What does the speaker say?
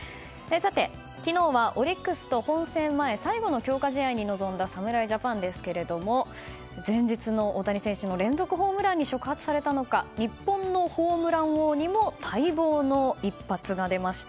昨日はオリックスと本戦前最後の強化試合に臨んだ侍ジャパンですけれども前日の大谷選手の連続ホームランに触発されたのか日本のホームラン王にも待望の一発が出ました。